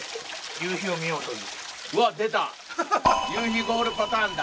夕日ゴールパターンだ。